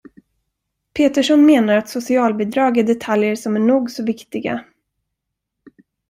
Peterson menar att socialbidrag är detaljer som är nog så viktiga.